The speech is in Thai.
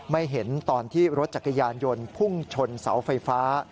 ไม่เห็นตอนที่รถจักรยานยนต์พุ่งชนเสาไฟฟ้า